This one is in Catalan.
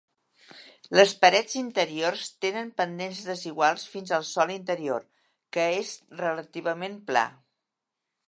Les parets interiors tenen pendents desiguals fins al sòl interior, que és relativament pla.